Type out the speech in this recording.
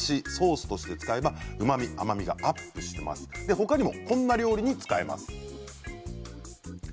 他にも、こんなお料理に使えます。